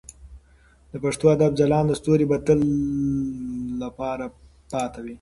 د پښتو ادب ځلانده ستوري به د تل لپاره پاتې وي.